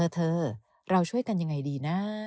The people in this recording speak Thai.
เธอเราช่วยกันยังไงดีนะ